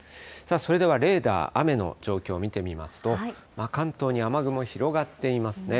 それではレーダー、雨の状況見てみますと、関東に雨雲広がっていますね。